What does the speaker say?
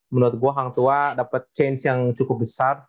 menurut gue hang tua dapet change yang cukup besar